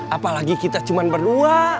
apalagi kita cuma berdua